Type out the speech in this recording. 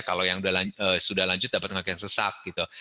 kalau yang sudah lanjut dapat makin sesak gitu